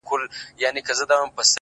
پر ده به نو ايله پدر لعنت له مينې ژاړي”